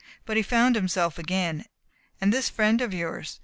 "But he found himself again. And this friend of yours?